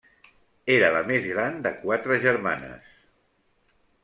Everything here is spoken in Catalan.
Era la més gran de quatre germanes.